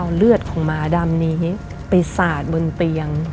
เอาเลือดของหมาดำนี้ไปสาดบนเตียง